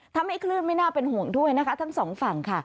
ทำให้คลื่นไม่น่าเป็นห่วงด้วยนะคะทั้งสองฝั่งค่ะ